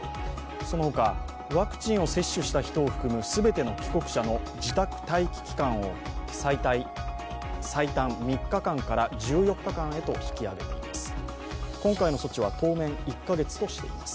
その他、ワクチンを接種した人を含む全ての帰国者の自宅待機期間を最短３日間から１４日間へと引き上げています。